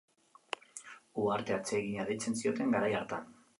Uharte atsegina deitzen zioten garai hartan.